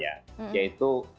yaitu tukang tukang yang luar biasa